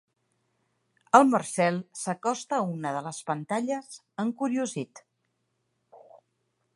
El Marcel s'acosta a una de les pantalles, encuriosit.